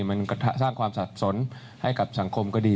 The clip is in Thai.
มันก็สร้างความสับสนให้กับสังคมก็ดี